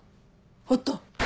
おっと。